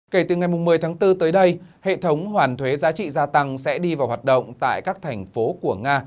kể từ ngày một mươi tháng bốn tới đây hệ thống hoàn thuế giá trị gia tăng sẽ đi vào hoạt động tại các thành phố của nga